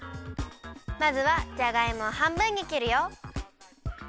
まずはじゃがいもをはんぶんにきるよ。